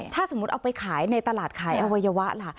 ถ้าสมมุติเอาไปขายในตลาดขายอวัยวะล่ะ